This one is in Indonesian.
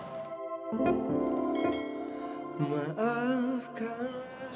sama lambang kebangsaan kita